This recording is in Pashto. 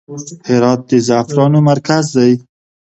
هرات د زعفرانو مرکز دی